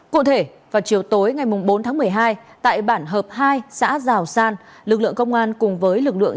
cụ thể vào chiều tối ngày bốn tháng một mươi hai tại bản hợp hai xã giào san lực lượng công an cùng với lực lượng